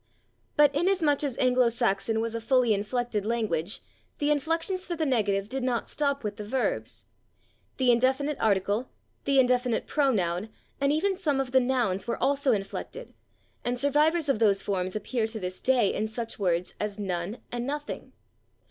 But inasmuch as Anglo Saxon was a fully inflected language the inflections for the negative did not stop with the verbs; the indefinite article, the indefinite pronoun and even some of the nouns were also inflected, and survivors of those forms appear to this day in such words as /none/ and /nothing